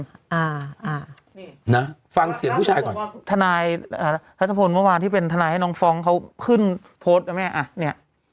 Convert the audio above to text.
อ่าอ่านี่นะฟังเสียงผู้ชายก่อนทนายอ่านัทพลเมื่อวานที่เป็นทนายให้น้องฟ้องเขาขึ้นโพสต์นะแม่อ่ะเนี้ย